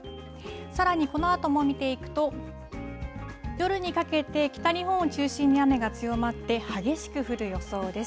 さらにこのあとも見ていくと、夜にかけて、北日本を中心に雨が強まって、激しく降る予想です。